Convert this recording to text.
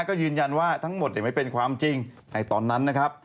ก็ยืนยันว่าทั้งหมดไม่เป็นความจริงในตอนนั้นนะครับ